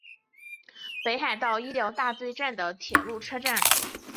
北海道医疗大学站的铁路车站。